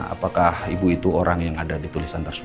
apakah ibu itu orang yang ada di tulisan tersebut